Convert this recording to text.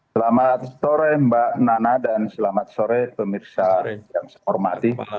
selamat sore mbak nana dan selamat sore pemirsa yang saya hormati